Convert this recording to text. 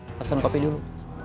pesan kopi dulu